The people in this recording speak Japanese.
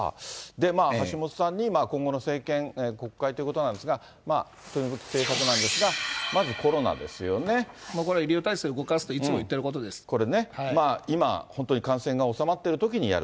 まあ橋下さんに今後の政権、国会ということなんですが、政策なんですが、これ医療体制を動かすと、いこれね、今、本当に感染が収まっているときにやる。